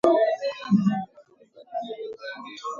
eneo la maziwa makuu na kwote inaposikika redio france international